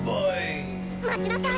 待ちなさい！